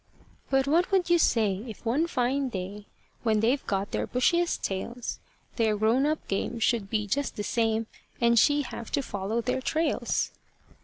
But what would you say, if one fine day, When they've got their bushiest tails, Their grown up game should be just the same, And she have to follow their trails?